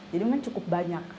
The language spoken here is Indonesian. jadi memang cukup banyak